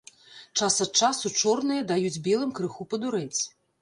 Час ад часу чорныя даюць белым крыху падурэць.